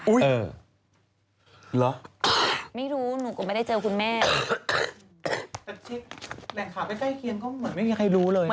อุ๊ยไม่รู้หนูก็ไม่ได้เจอคุณแม่แม่ข่าวไม่ใกล้เคียงก็เหมือนไม่มีใครรู้เลย